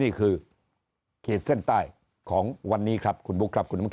เขตเส้นใต้ของวันนี้ครับคุณบุ๊คครับคุณน้ำ